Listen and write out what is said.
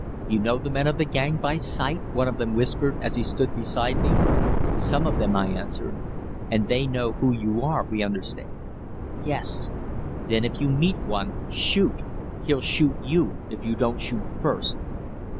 "You know the men of the gang by sight?" one of them whispered, as he stood beside me. "Some of them," I answered. "And they know who you are, we understand." "Yes." "Then if you meet one shoot! He'll shoot you if you don't shoot first."